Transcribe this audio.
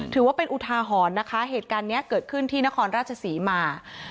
ถือว่าเป็นอุทาหรณ์นะคะเหตุการณ์นี้เกิดขึ้นที่นครราชศรีมา